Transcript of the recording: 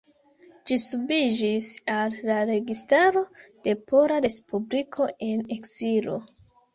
Ĝi subiĝis al la Registaro de Pola Respubliko en ekzilo.